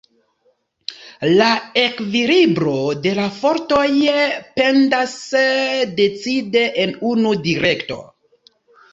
La ekvilibro de la fortoj pendas decide en unu direkto.